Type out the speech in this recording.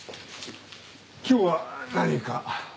今日は何か？